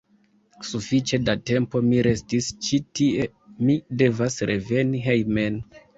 Sufiĉe da tempo mi restis ĉi tie, mi devas reveni hejmen.